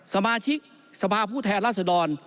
สมาชิกสภาพผู้แทนรัศดร